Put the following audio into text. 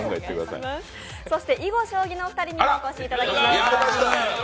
そして囲碁将棋のお二人にもお越しいただきました。